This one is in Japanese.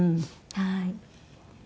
はい。